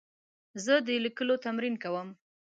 زه د لیکلو تمرین کوم.